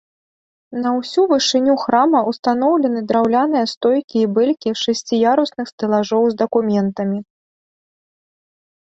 На ўсю вышыню храма ўстаноўлены драўляныя стойкі і бэлькі шасціярусных стэлажоў з дакументамі.